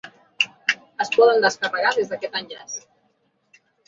Es poden descarregar des d’aquest enllaç.